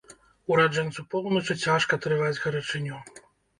Ураджэнцу поўначы цяжка трываць гарачыню.